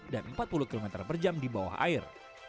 dan empat puluh km per jam di bawah air